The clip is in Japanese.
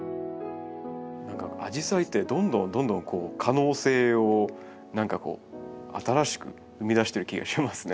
アジサイってどんどんどんどん可能性を何かこう新しく生み出してる気がしますね。